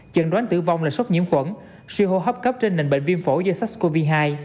chẳng đoán tử vong là sốc nhiễm quẩn siêu hô hấp cấp trên nền bệnh viêm phổ do sars cov hai